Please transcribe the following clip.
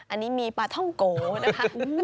อันนี้มีปลาท่องโกนะคะ